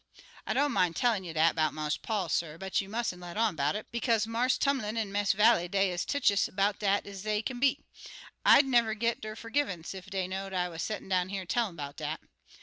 I don't min' tellin' you dat 'bout Marse Paul, suh, but you mustn't let on 'bout it, bekaze Marse Tumlin an' Miss Vallie des' ez tetchous 'bout dat ez dey kin be. I'd never git der fergivunce ef dey know'd I was settin' down here tellin' 'bout dat.